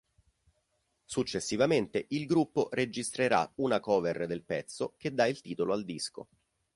Successivamente il gruppo registrerà una cover del pezzo che dà il titolo al disco.